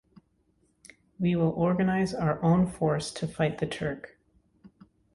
We will organise our own force to fight the Turk.